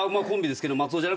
コンビですけど。